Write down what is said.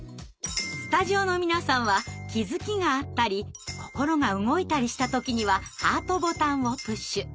スタジオの皆さんは気づきがあったり心が動いたりした時にはハートボタンをプッシュ。